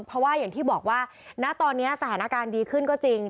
เพราะว่าอย่างที่บอกว่าณตอนนี้สถานการณ์ดีขึ้นก็จริง